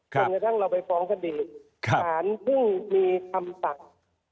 ก็อย่างเช่นเราไปฟ้องคดีฐานพึ่งมีคำศักดิ์